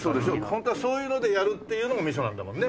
ホントはそういうのでやるっていうのがみそなんだもんね。